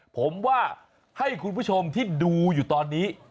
ผมว่าให้คุณผู้ชมที่ดูอยู่ตอนนี้